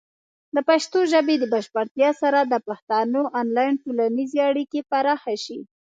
د پښتو ژبې د بشپړتیا سره، د پښتنو آنلاین ټولنیزې اړیکې پراخه شي.